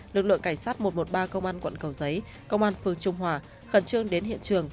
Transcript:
lực lượng cảnh sát một trăm một mươi ba công an quận cầu giấy công an phường trung hòa khẩn trương đến hiện trường